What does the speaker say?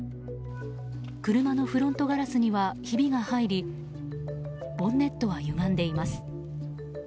車のフロントガラスにはひびが入りボンネットはゆがんでいます。